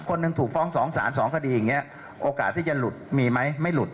คนหนึ่งถูกฟ้องสองสารสองคดีอย่างนี้โอกาสที่จะหลุดมีไหมไม่หลุด